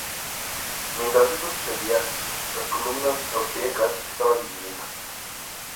Mientras esto sucedía las columnas austriacas estaban divididas.